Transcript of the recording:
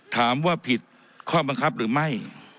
ถามว่าผิดข้อบังคับหรือไม่